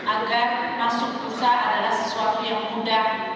agar masuk perusahaan adalah sesuatu yang mudah